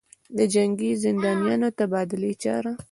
دجنګي زندانیانودتبادلې چاره